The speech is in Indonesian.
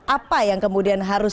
apa yang kemudian harus